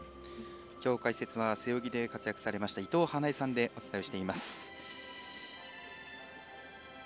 今日、解説は背泳ぎで活躍されました伊藤華英さんでお伝えをしています。